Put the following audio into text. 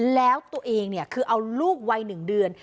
แล้วตัวเองคือเอาลูกวัย๑เดือน